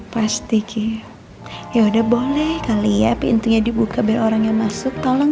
plastik ya udah boleh kali ya pintunya dibuka biar orang yang masuk tolong